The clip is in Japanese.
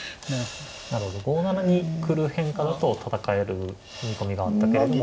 なるほど５七に来る変化だと戦える見込みがあったけれども。